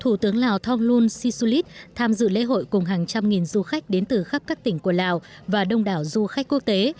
thủ tướng lào thonglun sisulit tham dự lễ hội cùng hàng trăm nghìn du khách đến từ khắp các tỉnh của lào và đông đảo du khách quốc tế